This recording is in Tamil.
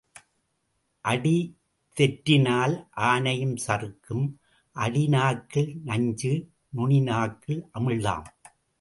அடி தெற்றினால் ஆனையும் சறுக்கும் அடி நாக்கில் நஞ்சு நுனி நாக்கில் அமிழ்தம்.